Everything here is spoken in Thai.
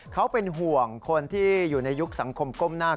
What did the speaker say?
เขาเป็นห่วงคนที่อยู่ในยุคสังคมก้มหน้า